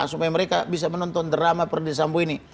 supaya mereka bisa menonton drama perdisambu ini